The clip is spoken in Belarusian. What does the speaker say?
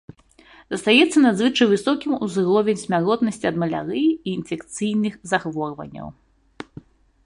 Застаецца надзвычай высокім узровень смяротнасці ад малярыі і інфекцыйных захворванняў.